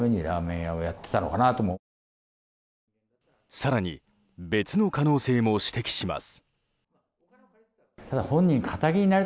更に、別の可能性も指摘します。